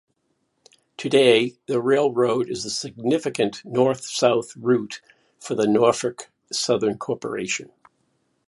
Today, the railroad is a significant north-south route for the Norfolk Southern Corporation.